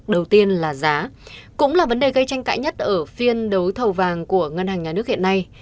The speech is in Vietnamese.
đầu tiên là giá cũng là vấn đề gây tranh cãi nhất ở phiên đấu thầu vàng của ngân hàng nhà nước hiện nay